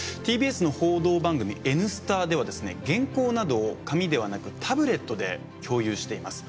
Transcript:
ＴＢＳの報道番組「Ｎスタ」ではですね原稿などを紙ではなくタブレットで共有しています。